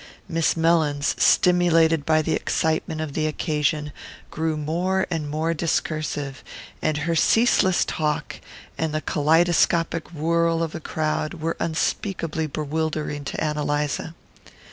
Miss Mellins, stimulated by the excitement of the occasion, grew more and more discursive, and her ceaseless talk, and the kaleidoscopic whirl of the crowd, were unspeakably bewildering to Ann Eliza.